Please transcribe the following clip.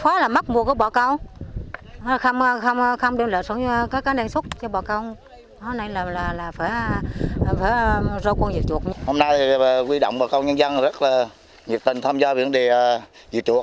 hôm nay quy động bà con nhân dân rất là nhiệt tình tham gia vấn đề diệt chuột